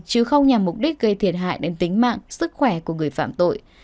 chứ không nhằm mục đích gây thiệt hại đến tính mạng sức khỏe của người phạm tội